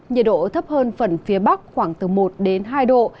nhiệt độ thấp hơn phần phía bắc khoảng từ một đến hai độ